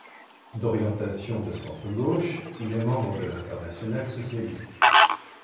D'orientation de centre gauche, il est membre de l'Internationale socialiste.